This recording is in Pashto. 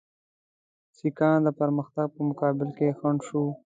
سیکهان د پرمختګ په مقابل کې خنډ شو.